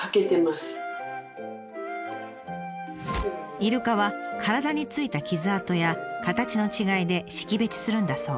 イルカは体についた傷痕や形の違いで識別するんだそう。